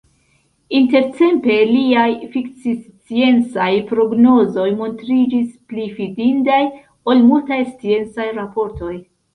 Intertempe, liaj fikcisciencaj prognozoj montriĝis pli fidindaj ol multaj sciencaj raportoj.